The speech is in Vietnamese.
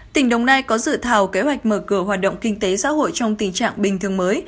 tỉnh đồng nai có dự thảo kế hoạch mở cửa hoạt động kinh tế xã hội trong tình trạng bình thường mới